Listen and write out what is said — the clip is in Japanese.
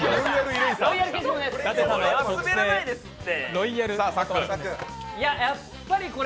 これは滑らないですって。